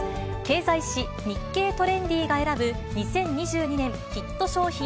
経済誌、日経トレンディが選ぶ、２０２２年ヒット商品